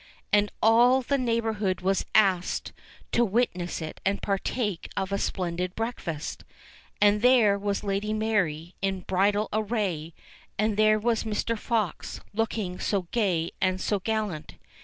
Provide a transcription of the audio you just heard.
And all the neighbourhood was asked to witness it and partake of a splendid breakfast. And there was Lady Mary in bridal array, and there was Mr. Fox, looking so gay and so gallant.